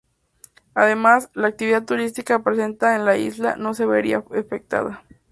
Además, la actividad turística presente en la isla no se vería afectada.